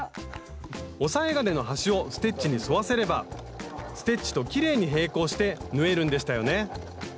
押さえ金の端をステッチに沿わせればステッチときれいに平行して縫えるんでしたよね